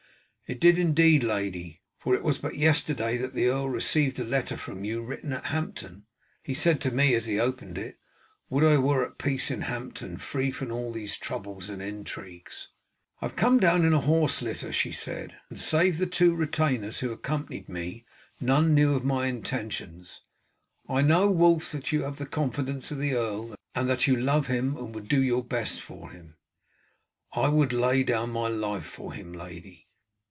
"It did indeed, lady, for it was but yesterday that the earl received a letter from you written at Hampton. He said to me as he opened it, 'Would I were in peace at Hampton, free from all these troubles and intrigues.'" "I have come down in a horse litter," she said, "and save the two retainers who accompanied me none knew of my intentions. I know, Wulf, that you have the confidence of the earl and that you love him and would do your best for him." "I would lay down my life for him, lady.